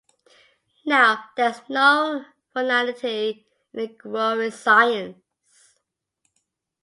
Now there is no finality in a growing science.